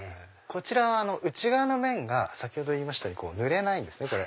こちら内側の面が先ほど言いましたように濡れないんですね。